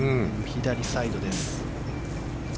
左サイドです。